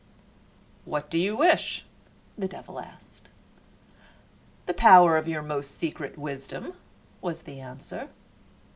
"What do you wish?" the devil asked. "The power of your most secret wisdom," was the answer.